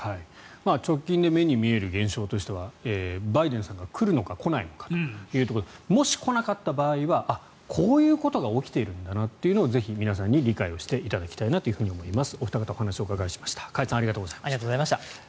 直近で目に見える現象としてはバイデンさんが来るのか来ないのかというところでもし来なかった場合はこういうことが起きているんだなというのをぜひ皆さんに理解していただきたいなと思います。